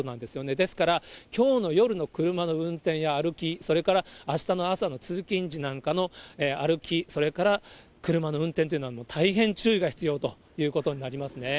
ですから、きょうの夜の車の運転や歩き、それからあしたの朝の通勤時なんかの歩き、それから車の運転というのは、もう大変注意が必要ということになりますね。